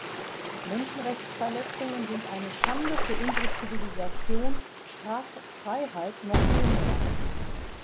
Menschenrechtsverletzungen sind eine Schande für unsere Zivilisation, Straffreiheit noch viel mehr.